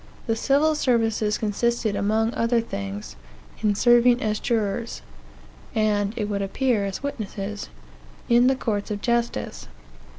The civil services consisted, among other things, in serving as jurors (and, it would appear, as witnesses) in the courts of justice.